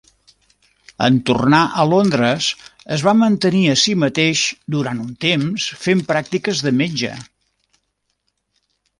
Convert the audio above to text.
En tornar a Londres es va mantenir a si mateix durant un temps fent pràctiques de metge.